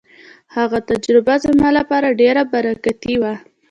هغه تجربه زما لپاره ډېره برکتي وه.